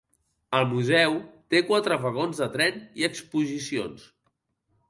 El museu té quatre vagons de tren i exposicions.